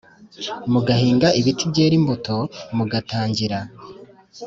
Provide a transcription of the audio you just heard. mugahinga ibiti byera imbuto, mugatangira